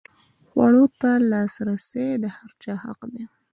خوړو ته لاسرسی د هر چا حق دی.